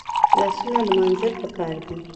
لاسونه لمانځل پکار دي